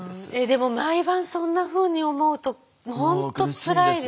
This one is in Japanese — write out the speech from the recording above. でも毎晩そんなふうに思うと本当つらいですよね。